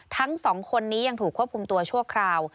ทั้งสองคนนี้ยังถูกควบคุมตัวชั่วคราว